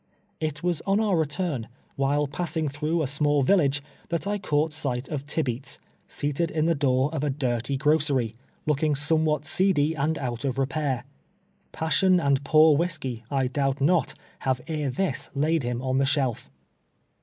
It was on our return, wbile passing tbrougb a small village, tbat I caugbt sigbt of Tibeats, seated in tb e door of a dirty grocery, looking somewbat seedy and out of repair. Passion and poor wbisky, I doubt not, bave ere tbis laid bim on tbe sbelf.